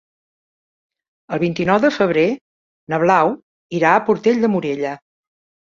El vint-i-nou de febrer na Blau irà a Portell de Morella.